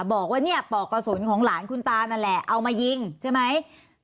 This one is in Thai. บอกว่าเนี่ยปอกกระสุนของหลานคุณตานั่นแหละเอามายิงใช่ไหม